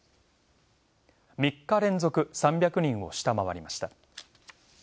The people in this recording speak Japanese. ３日連続、３００人を下回りました。